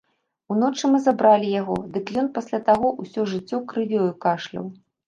Уночы мы забралі яго, дык ён пасля таго ўсё жыццё крывёю кашляў.